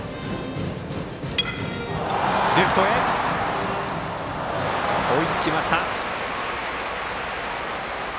レフト、追いつきました。